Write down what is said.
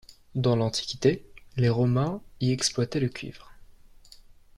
Dans l'Antiquité, les Romains y exploitaient le cuivre.